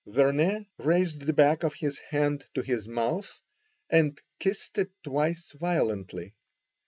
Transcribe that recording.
Vernet raised the back of his hand to his mouth and kissed it twice violently.